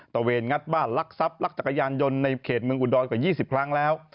เวนงัดบ้านลักทรัพย์ลักจักรยานยนต์ในเขตเมืองอุดรกว่า๒๐ครั้งแล้ว